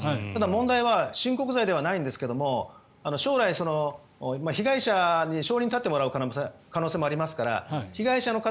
問題は親告罪ではないんですが将来、被害者に証人に立ってもらう可能性もありますから被害者の方